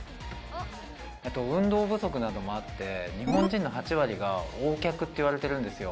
「運動不足などもあって日本人の８割がＯ脚っていわれてるんですよ」